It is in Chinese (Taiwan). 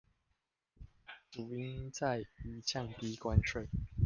主因在於降低關稅